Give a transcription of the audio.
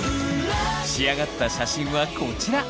仕上がった写真はこちら！